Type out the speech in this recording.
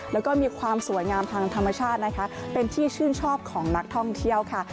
แล้วก็มีความสวยงามทางธรรมชาตินะคะเป็นที่ชื่นชอบของนักท่องเที่ยวค่ะ